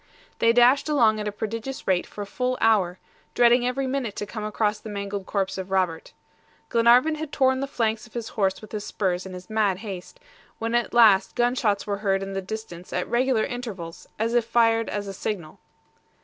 They dashed along at a prodigious rate for a full hour, dreading every minute to come across the mangled corpse of Robert. Glenarvan had torn the flanks of his horse with his spurs in his mad haste, when at last gun shots were heard in the distance at regular intervals, as if fired as a signal.